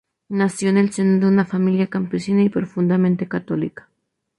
Nació en el seno de una familia campesina y profundamente católica.